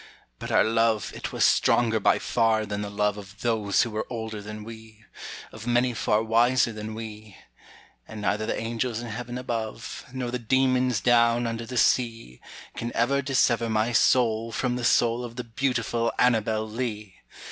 But our love it was stronger by far than the love Of those who were older than we, Of many far wiser than we; And neither the angels in heayen above, Nor the demons down under the sea, Can ever dissever my soul from the soul Of the beautiful Annabel Lee.